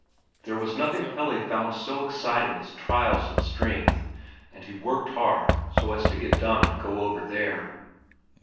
There was nothing Pelle found so exciting as trials of strength, and he worked hard so as to get done and go over there.